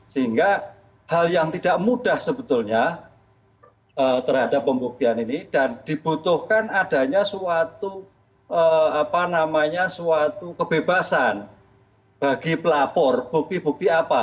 sehingga hal yang tidak mudah sebetulnya terhadap pembuktian ini dan dibutuhkan adanya suatu kebebasan bagi pelapor bukti bukti apa